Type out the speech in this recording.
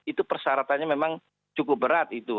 itu persyaratannya memang cukup berat itu